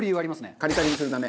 カリカリにするため。